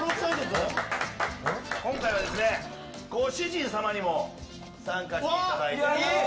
今回はご主人様にも参加していただいて。